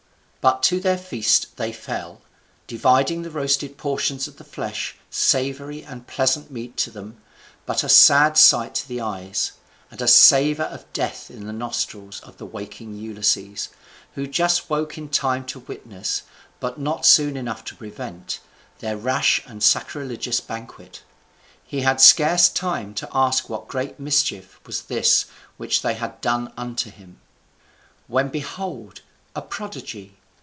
But to their feast they fell, dividing the roasted portions of the flesh, savoury and pleasant meat to them, but a sad sight to the eyes, and a savour of death in the nostrils, of the waking Ulysses, who just woke in time to witness, but not soon enough to prevent, their rash and sacrilegious banquet. He had scarce time to ask what great mischief was this which they had done unto him; when behold, a prodigy!